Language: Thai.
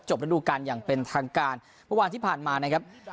ระดูการอย่างเป็นทางการเมื่อวานที่ผ่านมานะครับ